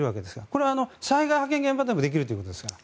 これは災害派遣現場でもできるということですから。